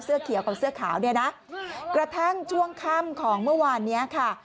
เขียวกับเสื้อขาวเนี่ยนะกระทั่งช่วงค่ำของเมื่อวานเนี้ยค่ะ